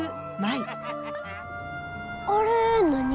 あれ何？